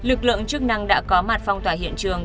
lực lượng chức năng đã có mặt phong tỏa hiện trường